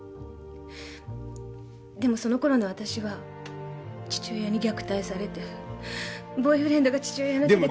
でもそのころのあたしは父親に虐待されてボーイフレンドが父親の手で。